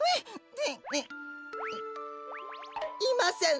いません！